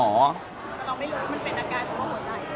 อเรนนี่แต่เราไม่อยู่มันเป็นอาการของเขาหัวใจนะครับ